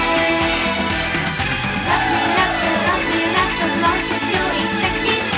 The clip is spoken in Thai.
รับไม่รับจะรับไม่รับก็ลองซึ่งดูอีกสักนิด